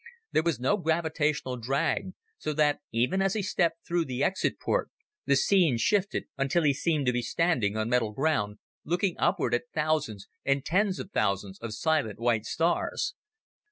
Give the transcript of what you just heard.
There was no gravitational drag, so that even as he stepped through the exit port, the scene shifted until he seemed to be standing on metal ground, looking upward at thousands and tens of thousands of silent white stars.